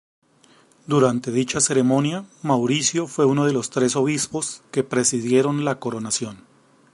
Durante dicha ceremonia Mauricio fue uno de los tres obispos que presidieron la coronación.